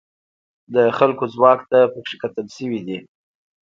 د خلکو ځواک ته پکې کتل شوي دي.